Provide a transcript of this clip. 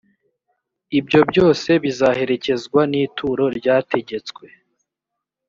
ibyo byose bizaherekezwa n’ituro ryategetswe